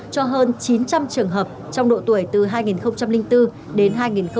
cho hơn chín trăm linh trường hợp trong độ tuổi từ hai nghìn bốn đến hai nghìn bảy